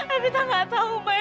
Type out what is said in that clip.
ibi tak ngatau bapak